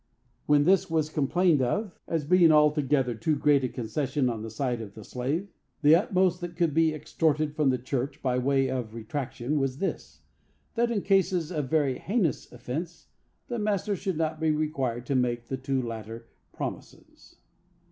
When this was complained of, as being altogether too great a concession on the side of the slave, the utmost that could be extorted from the church, by way of retraction, was this,—that in cases of very heinous offence the master should not be required to make the two latter promises.